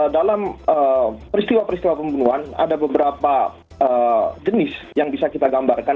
dalam peristiwa peristiwa pembunuhan ada beberapa jenis yang bisa kita gambarkan